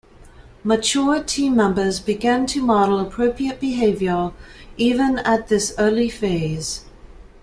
Mature team members begin to model appropriate behavior even at this early phase.